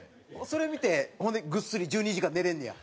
それ見てぐっすり１２時間寝れんねや。